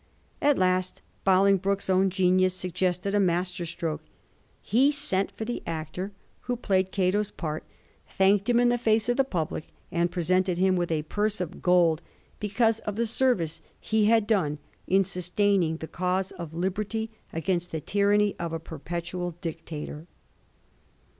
At last Bolingbroke's own genius suggested a master stroke. He sent for the actor who played Digitized by Google j 1714 AUTHORS IN OFFIOE. 49 Gate's part, thanked him in face of the public, and presented him with a purse of gold because of the service he had done in sustaining the cause of liberty against the tyranny of a perpetual dictator.